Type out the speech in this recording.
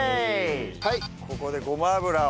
はいここでごま油を。